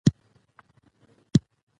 نجونې به تر هغه وخته پورې اخبارونه لولي.